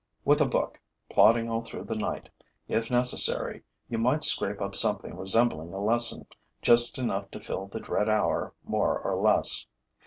With a book, plodding all through the night, if necessary, you might scrape up something resembling a lesson, just enough to fill the dread hour more or less.